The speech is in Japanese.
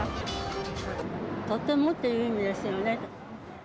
とてもっていう意味ですよね。